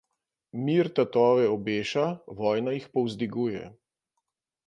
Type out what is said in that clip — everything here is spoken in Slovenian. Mir tatove obeša, vojna jih povzdiguje.